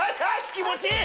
気持ちいい！